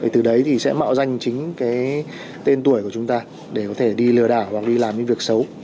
từ đấy thì sẽ mạo danh chính tên tuổi của chúng ta để có thể đi lừa đảo hoặc đi làm những việc xấu